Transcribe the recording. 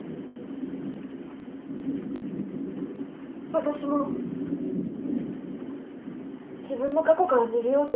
私も自分の過去から逃げようとしたことがある。